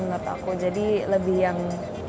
menurut aku jadi lebih yang